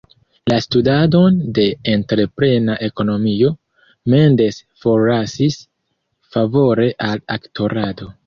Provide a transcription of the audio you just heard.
La studadon de entreprena ekonomio, Mendes forlasis favore al aktorado.